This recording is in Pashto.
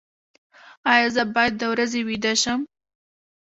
ایا زه باید د ورځې ویده شم؟